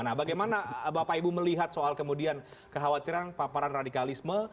nah bagaimana bapak ibu melihat soal kemudian kekhawatiran paparan radikalisme